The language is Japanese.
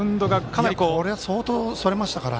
これ、相当それましたから。